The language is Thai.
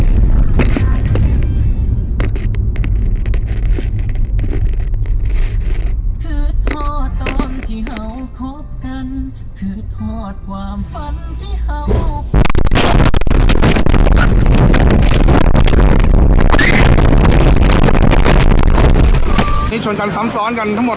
เบรกไม่อยู่เหรอเฮ้ยลูกผู้ชายเบรกไม่อยู่เหรอ